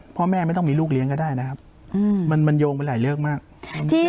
พ่อแม่ไม่ต้องมีลูกเลี้ยงก็ได้นะครับอืมมันมันโยงไปหลายเลือกมากที่